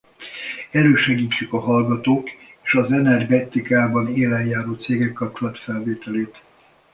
Elősegítjük a hallgatók és az energetikában élen járó cégek kapcsolatfelvételét.